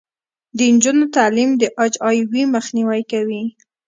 د نجونو تعلیم د اچ آی وي مخنیوی کوي.